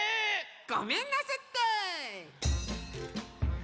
ごめんなすって！